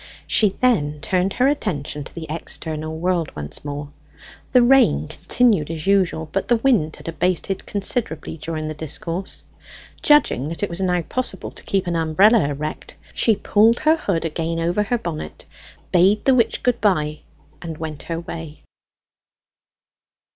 She then turned her attention to the external world once more. The rain continued as usual, but the wind had abated considerably during the discourse. Judging that it was now possible to keep an umbrella erect, she pulled her hood again over her bonnet, bade the witch good bye, and went her way.